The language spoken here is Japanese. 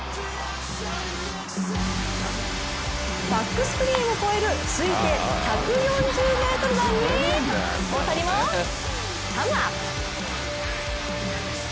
バックスクリーンを越える推定１４０ｍ弾に大谷もサムアップ！